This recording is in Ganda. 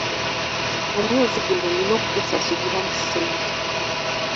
Omwezi guno nnina okusasuliramu ssente.